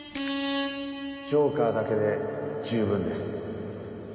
ジョーカーだけで十分です。